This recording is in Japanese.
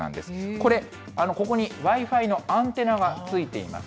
これ、ここにＷｉ−Ｆｉのアンテナがついています。